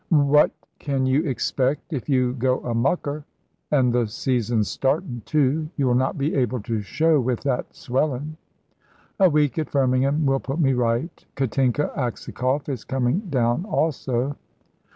"What can you expect if you go a mucker? An' th' season's startin', too. You'll not be able to show with that swellin'." "A week at Firmingham will put me right. Katinka Aksakoff is coming down also."